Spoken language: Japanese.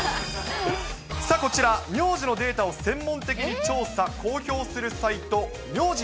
こちら、名字のデータを専門的に調査公表するサイト、名字